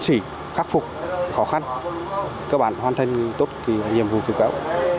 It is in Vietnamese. một chức sĩ khắc phục khó khăn cơ bản hoàn thành tốt nhiệm vụ cứu kéo